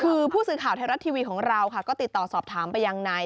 คือผู้สื่อข่าวไทยรัฐทีวีของเราค่ะก็ติดต่อสอบถามไปยังนาย